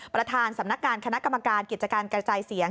ประธานสำนักงานคณะกรรมการกิจการกระจายเสียง